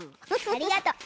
ありがとう！